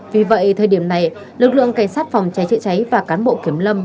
vì vậy thời điểm này lực lượng cảnh sát phòng cháy chữa cháy và cán bộ kiểm lâm